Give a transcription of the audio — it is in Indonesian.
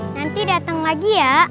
nanti datang lagi ya